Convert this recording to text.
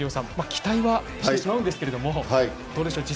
期待はしてしまうんですけどどうでしょうか。